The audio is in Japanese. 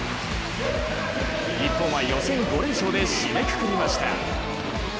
日本は予選５連勝で締めくくりました。